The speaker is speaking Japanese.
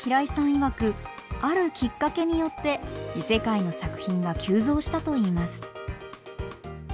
いわくあるきっかけによって異世界の作品が急増したといいます。